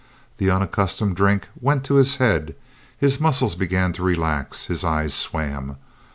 The unaccustomed drink went to his head, his muscles began to relax, his eyes swam.